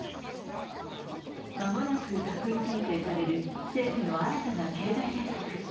間もなく閣議決定される政府の新たな経済対策。